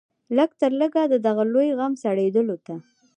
لږ تر لږه د دغه لوی غم سړېدلو ته.